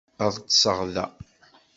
Ad ṭṭseɣ da.